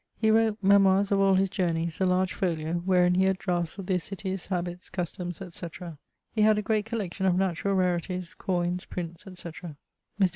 He wrote Memoires of all his journeys, a large folio, wherein he had draughts of their cities, habits, customs, etc. He had a great collection of natural rarities, coynes, prints, etc. Mr.